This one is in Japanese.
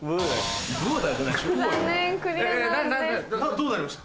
どうなりました？